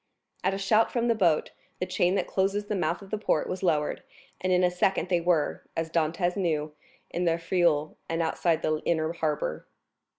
At a shout from the boat, the chain that closes the mouth of the port was lowered and in a second they were, as Dantès knew, in the Frioul and outside the inner harbor.